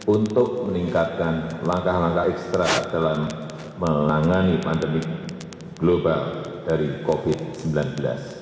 untuk meningkatkan langkah langkah ekstra dalam menangani pandemi global dari covid sembilan belas